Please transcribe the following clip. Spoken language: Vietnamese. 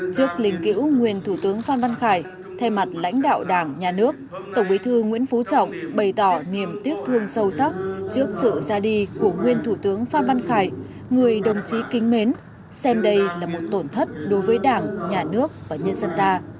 trước linh cữu nguyên thủ tướng phan văn khải thay mặt lãnh đạo đảng nhà nước tổng bí thư nguyễn phú trọng bày tỏ niềm tiếc thương sâu sắc trước sự ra đi của nguyên thủ tướng phan văn khải người đồng chí kính mến xem đây là một tổn thất đối với đảng nhà nước và nhân dân ta